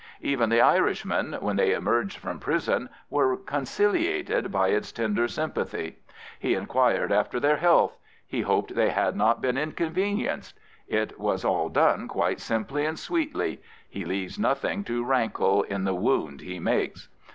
Even the Irishmen, when they emerged from prison, were conciliated by its tender sympathy. He 35 Prophets, Priests, and Kings inquired after their health. He hoped they had not been inconvenienced. It was all done quite simply and sweetly. He leaves nothing to rankle in the wound he makes.